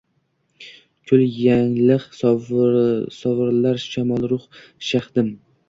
kul yanglig’ sovrilar shamolruh shahdim.